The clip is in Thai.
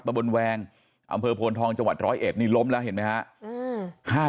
ตะบนแวงอำเภอโพนทองจังหวัดร้อยเอ็ดนี่ล้มแล้วเห็นไหมครับ